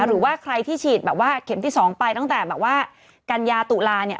หรือว่าใครที่ฉีดแบบว่าเข็มที่๒ไปตั้งแต่แบบว่ากัญญาตุลาเนี่ย